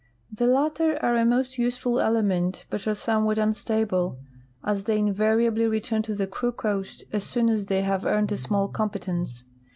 The latter are a most useful element, hut are somewhat unstable, as the}^ invariahlv return to the Kru coast as soon as they have earned a small competence.